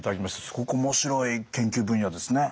すごく面白い研究分野ですね。